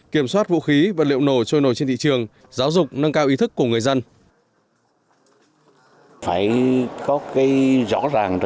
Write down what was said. kiểm soát vũ khí vật liệu nổ trôi nổi trên thị trường giáo dục nâng cao ý thức của người dân